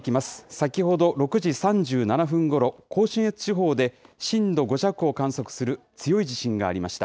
先ほど６時３７分ごろ、甲信越地方で震度５弱を観測する強い地震がありました。